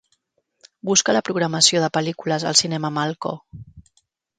Busca la programació de pel·lícules al cinema Malco.